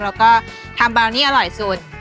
แล้วก็ทำบาวนี่อร่อยสุด